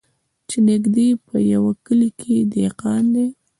چي نیژدې په یوه کلي کي دهقان دی